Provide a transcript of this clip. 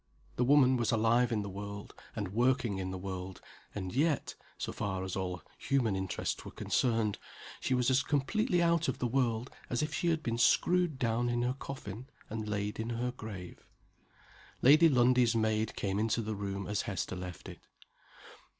The woman was alive in the world, and working in the world; and yet (so far as all human interests were concerned) she was as completely out of the world as if she had been screwed down in her coffin, and laid in her grave. Lady Lundie's maid came into the room as Hester left it.